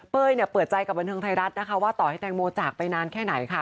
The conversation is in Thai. เปิดใจกับบันเทิงไทยรัฐนะคะว่าต่อให้แตงโมจากไปนานแค่ไหนค่ะ